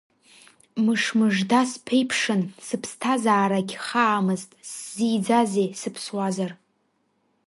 Мыш-мыжда сԥеиԥшын, сыԥсҭазаарагь хаамызт, сзиӡазеи, сыԥсуазар?